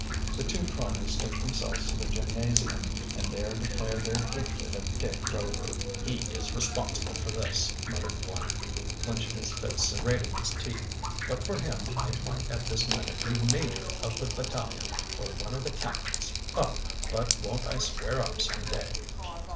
The two cronies took themselves to the gymnasium and there declared their hatred of Dick Rover. "He is responsible for this," muttered Flapp, clenching his fists and grating his teeth. "But for him I might at this minute be major of the battalion, or one of the captains. Oh, but won't I square up some day!"